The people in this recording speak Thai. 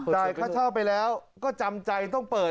อ้อจ่ายค่าเช่าไปแล้วก็จำใจจะต้องเปิด